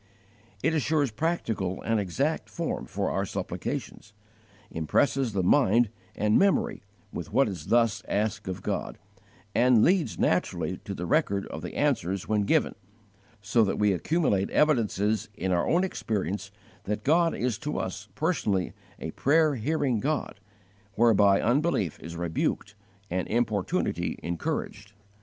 It assures practical and exact form for our supplications, impresses the mind and memory with what is thus asked of God, and leads naturally to the record of the answers when given, so that we accumulate evidences in our own experience that God is to us personally a prayer hearing God, whereby unbelief is rebuked and importunity encouraged.